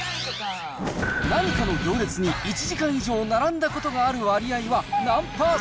何かの行列に１時間以上並んだことがある割合は何％？